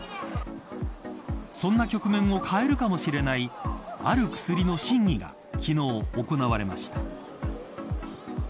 そんな局面を変えるかもしれないある薬の審議が昨日、行われました。